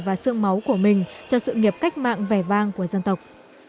và sương máu của mình cho sự nghiệp cách mạng vẻ vang của dân tộc